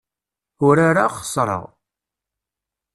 Urareɣ, xesreɣ.